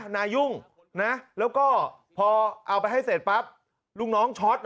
นายุ่งนะแล้วก็พอเอาไปให้เสร็จปั๊บลูกน้องช็อต